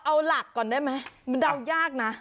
เอาหลักก่อนได้ไหมมันเดายากนะ